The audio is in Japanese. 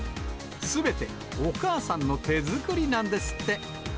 すべてお母さんの手作りなんです